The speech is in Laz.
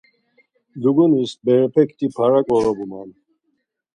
Dugunis berepekti para ǩorobuman.